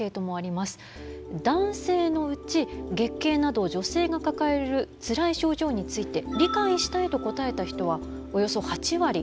男性のうち月経など女性が抱えるつらい症状について理解したいと答えた人はおよそ８割。